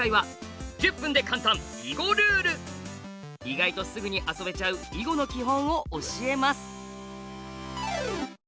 意外とすぐに遊べちゃう囲碁の基本を教えます。